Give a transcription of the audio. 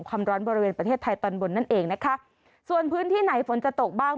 ความร้อนบริเวณประเทศไทยตอนบนนั่นเองนะคะส่วนพื้นที่ไหนฝนจะตกบ้าง